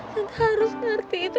tante harus ngerti itu